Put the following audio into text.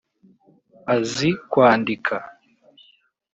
azi kwandika